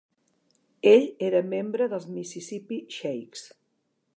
Ell era membre dels Mississippi Sheiks.